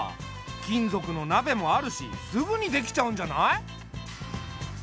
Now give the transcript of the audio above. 金属の鍋もあるしすぐに出来ちゃうんじゃない？